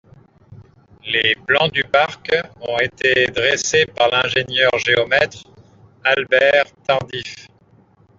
Les plans du parc ont été dressés par l'ingénieur-géomètre Albert Tardif.